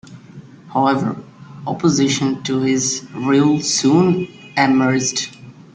However, opposition to his rule soon emerged.